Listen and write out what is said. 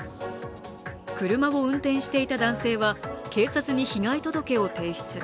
車を運転していた男性は警察に被害届を提出。